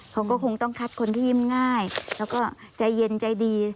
เขาก็คงต้องคัดคนที่ง่ายแล้วก็ใจเย็นใจดี